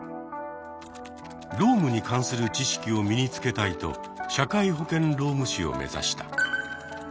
労務に関する知識を身に付けたいと社会保険労務士を目指した。